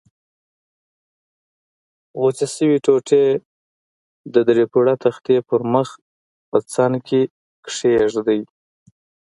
غوڅې شوې ټوټې د درې پوړه تختې پر مخ په څنګ کې کېږدئ.